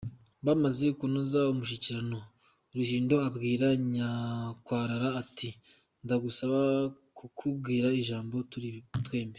Bamaze kunoza umushyikirano, Rubindo abwira Nyankwarara ati "Ndagusaba kukubwira ijambo turi twembi.